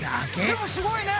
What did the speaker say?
でもすごいね。